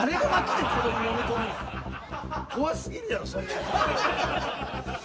怖すぎるやろそんなもん。